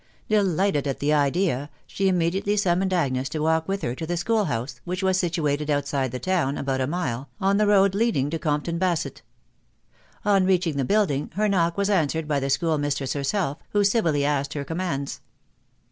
Delighted at the idea, she immediately summoned Agnes to walk with her to the school house, which was situated outside the town, about a mile, on the road leading to Compton Ba sett. On reaching the building, her knock was answered by the schoolmistress herself, who civilly asked her commands.